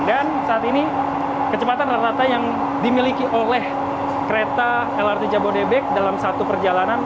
dan saat ini kecepatan rata rata yang dimiliki oleh kereta lrt jabodetabek dalam satu perjalanan